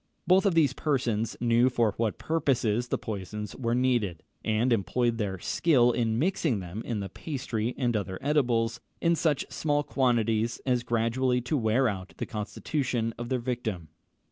Both these persons knew for what purposes the poisons were needed, and employed their skill in mixing them in the pastry and other edibles, in such small quantities as gradually to wear out the constitution of their victim.